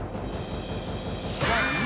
「３！